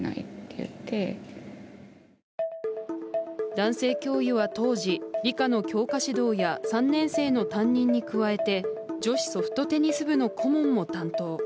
男性教諭は当時、理科の教科指導や３年生の担任に加えて女子ソフトテニス部の顧問も担当。